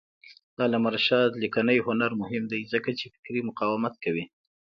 د علامه رشاد لیکنی هنر مهم دی ځکه چې فکري مقاومت کوي.